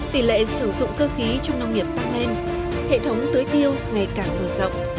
tỷ lệ sử dụng cơ khí trong nông nghiệp tăng lên hệ thống tưới tiêu ngày càng mở rộng